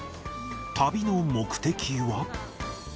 旅の目的は。